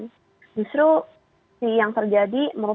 merupakan kesempatan untuk kita memiliki saham bagaimana